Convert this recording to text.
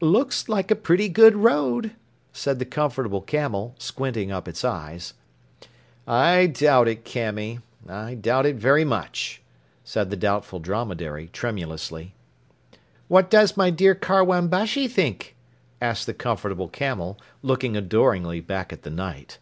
"Looks like a pretty good road," said the Comfortable Camel, squinting up its eyes. "I doubt it, Camy, I doubt it very much," said the Doubtful Dromedary tremulously. "What does my dear Karwan Bashi think?" asked the Comfortable Camel, looking adoringly back at the Knight.